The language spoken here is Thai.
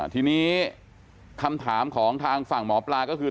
ทีนี้คำถามของทางฝั่งหมอปลาก็คือ